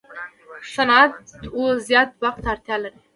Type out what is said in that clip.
صنعت و زیات برق ته اړتیا لري.